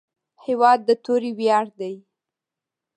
هېواد د توري ویاړ دی.